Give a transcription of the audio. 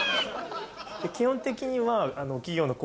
基本的には。